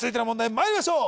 まいりましょう